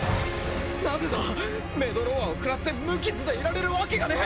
なぜだメドローアを食らって無傷でいられるわけがねえ。